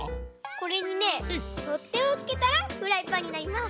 これにねとってをつけたらフライパンになります！